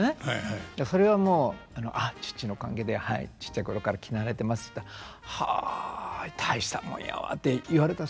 「父のおかげではいちっちゃい頃から着慣れてます」って言ったら「はあ大したもんやわ」って言われた。